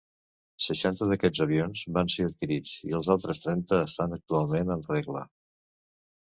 Seixanta d"aquests avions van ser adquirits i els altres trenta estan actualment en regla.